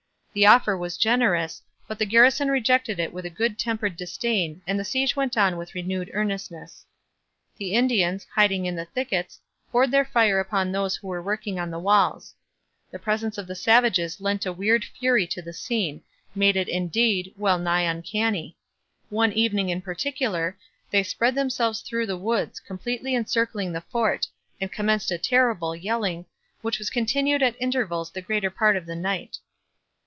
The offer was generous, but the garrison rejected it with a good tempered disdain and the siege went on with renewed earnestness. The Indians, hiding in the thickets, poured their fire upon those who were working on the walls. The presence of the savages lent a weird fury to the scene, made it, indeed, well nigh uncanny. One evening in particular they 'spread themselves through the woods, completely encircling the Fort, and commenced a terrible yelling, which was continued at intervals the greater part of the night.'